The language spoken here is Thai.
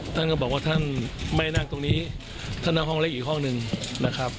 ท่านก็บอกว่าท่านไม่นั่งตรงนี้ท่านนั่งห้องเล็กอีกห้องหนึ่งนะครับ